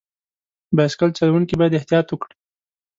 بایسکل چلوونکي باید احتیاط وکړي.